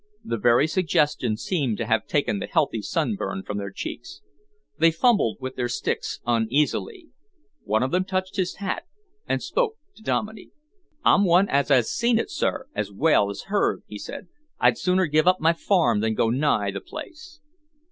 The very suggestion seemed to have taken the healthy sunburn from their cheeks. They fumbled with their sticks uneasily. One of them touched his hat and spoke to Dominey. "I'm one as 'as seen it, sir, as well as heard," he said. "I'd sooner give up my farm than go nigh the place."